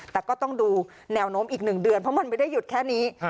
แต่ก็ต้องดูแนวโน้มอีก๑เดือนเพราะมันไม่ได้หยุดแค่นี้